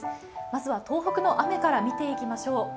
まずは東北の雨から見ていきましょう。